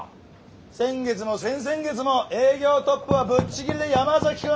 先月も先々月も営業トップはぶっちぎりで山崎君！